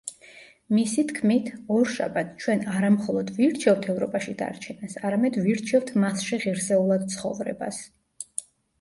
მისი თქმით, „ორშაბათს ჩვენ არამხოლოდ ვირჩევთ ევროპაში დარჩენას –არამედ ვირჩევთ მასში ღირსეულად ცხოვრებას“.